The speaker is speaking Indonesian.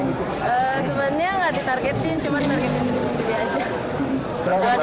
sebenarnya nggak ditargetin cuma targetin diri sendiri aja